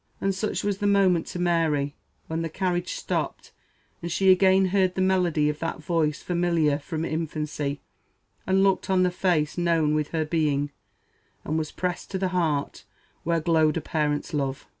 and such was the moment to Mary when the carriage stopped, and she again heard the melody of that voice familiar from infancy and looked on the face known with her being and was pressed to that heart where glowed a parent's love!